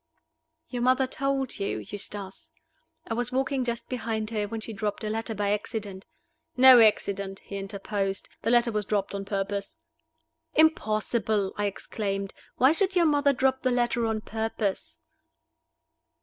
"Your mother told you, Eustace. I was walking just behind her, when she dropped a letter by accident " "No accident," he interposed. "The letter was dropped on purpose." "Impossible!" I exclaimed. "Why should your mother drop the letter on purpose?"